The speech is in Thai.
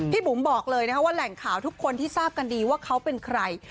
บุ๋มบอกเลยนะคะว่าแหล่งข่าวทุกคนที่ทราบกันดีว่าเขาเป็นใคร